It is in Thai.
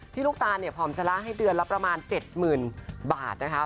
พี่ลูกตาลผ่อมจะละให้เดือนละประมาณ๗๐๐๐๐บาทนะคะ